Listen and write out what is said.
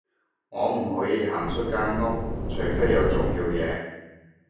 我唔可以行出間屋，除非有重要嘢